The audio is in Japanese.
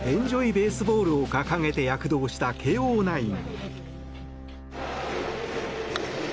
・ベースボールを掲げて躍動した慶応ナイン。